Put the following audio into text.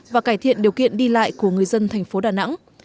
và cải thiện điều kiện đi lại của người dân thành phố đà nẵng